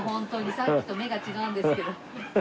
さっきと目が違うんですけど。